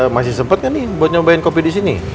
masih sempet gak nih buat nyobain kopi disini